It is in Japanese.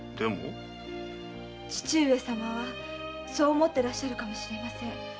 義父上様はそう思っていらっしゃるかもしれません。